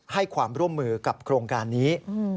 ให้ความร่วมมือกับโครงการนี้